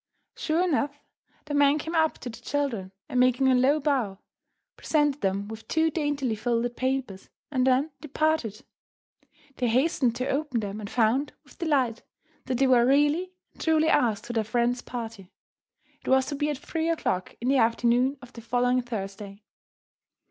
Sure enough, the man came up to the children, and, making a low bow, presented them with two daintily folded papers and then departed. They hastened to open them, and found, with delight, that they were really and truly asked to their friend's party. It was to be at three o'clock in the afternoon of the following Thursday.